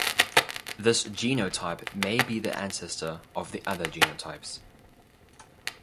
This genotype may be the ancestor of the other genotypes.